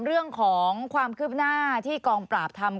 เรื่องของความคืบหน้าที่กองปราบทำ